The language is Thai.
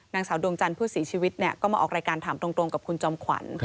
นางสาวดวงจันทร์ผู้เสียชีวิตก็มาออกรายการถามตรงกับคุณจอมขวัญ